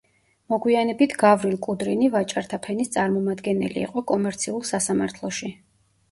მოგვიანებით გავრილ კუდრინი ვაჭართა ფენის წარმომადგენელი იყო კომერციულ სასამართლოში.